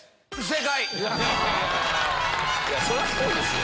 そりゃそうですよ。